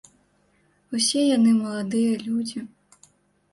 Усе яны маладыя людзі.